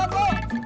ayo pak cireben pak